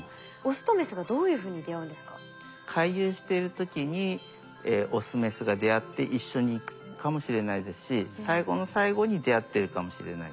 でもそれにしても回遊している時にオスメスが出会って一緒に行くかもしれないですし最後の最後に出会ってるかもしれない。